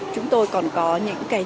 chúng tôi còn có những cái